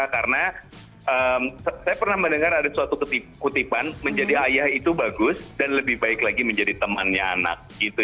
karena saya pernah mendengar ada suatu kutipan menjadi ayah itu bagus dan lebih baik lagi menjadi temannya anak gitu